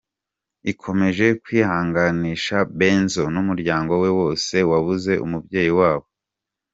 ikomeje kwihanganisha Benzo numuryango we wose wabuze umubyeyi wabo.